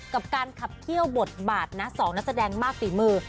กับการขับเขี้ยวบทบาทนะ๒นักแสดงมากฝีมือ